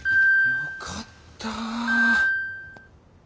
よかった。